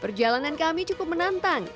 perjalanan kami cukup menantang